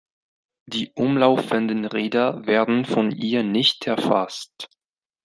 Die umlaufenden Räder werden von ihr nicht erfasst.